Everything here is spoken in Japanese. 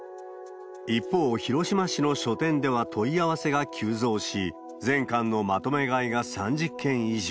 一方、広島市の書店では問い合わせが急増し、全巻のまとめ買いが３０件以上。